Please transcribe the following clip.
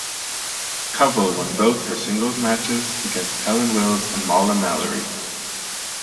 Covell won both her singles matches against Helen Wills and Molla Mallory.